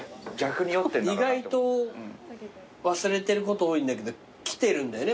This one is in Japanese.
意外と忘れてること多いんだけど来てるんだよね。